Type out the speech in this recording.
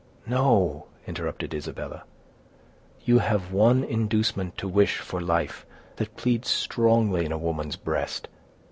"No!" interrupted Isabella; "you have one inducement to wish for life, that pleads strongly in a woman's breast.